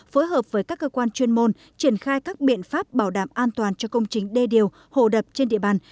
phối hợp với các cơ quan chuyên môn triển khai các biện pháp bảo đảm an toàn cho công trình đê điều hồ đập trên địa bàn